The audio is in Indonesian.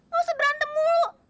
lo seberantem mulu